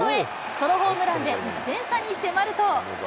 ソロホームランで１点差に迫ると。